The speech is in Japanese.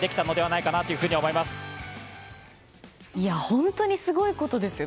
本当にすごいことですよ。